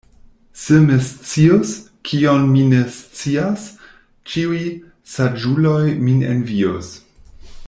Se mi scius, kion mi ne scias, ĉiuj saĝuloj min envius.